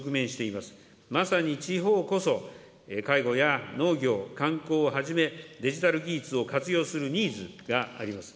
まさに地方こそ、介護や農業、観光をはじめ、デジタル技術を活用するニーズがあります。